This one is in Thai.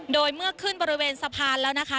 โดยเมื่อขึ้นบริเวณสะพานแล้วนะคะ